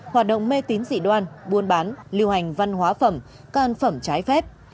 hoạt động mê tín dị đoan buôn bán lưu hành văn hóa phẩm các ăn phẩm trái phép